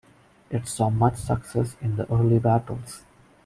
It saw much success in the early battles.